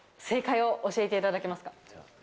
正解を教えていただけますか？